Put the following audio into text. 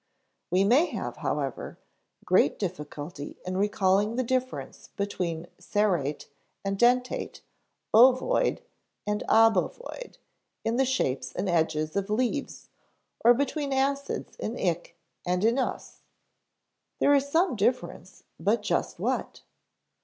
We may have, however, great difficulty in recalling the difference between serrate and dentate, ovoid and obovoid, in the shapes and edges of leaves, or between acids in ic and in ous. There is some difference; but just what?